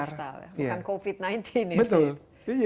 karena diperkenalkan lifestyle ya bukan covid sembilan belas ya